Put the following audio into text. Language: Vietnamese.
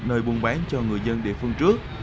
nơi buôn bán cho người dân địa phương trước